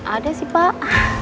ada sih pak